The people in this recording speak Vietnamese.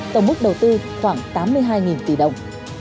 tổng mức đầu tư khoảng tám mươi hai tỷ đồng